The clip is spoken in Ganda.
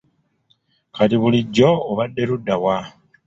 Kati bulijjo obaddenga ludda wa?